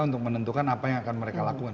untuk menentukan apa yang akan mereka lakukan